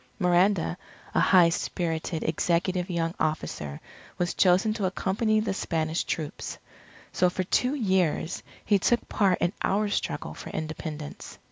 Miranda, a high spirited, executive young officer was chosen to accompany the Spanish troops. So for two years he took part in our struggle for Independence.